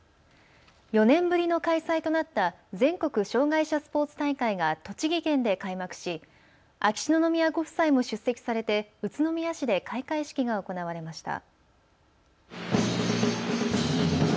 ４年ぶりの開催となった全国障害者スポーツ大会が栃木県で開幕し秋篠宮ご夫妻も出席されて宇都宮市で開会式が行われました。